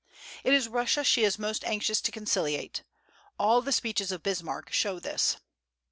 It is Russia she is most anxious to conciliate. All the speeches of Bismarck show this.